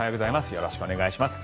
よろしくお願いします。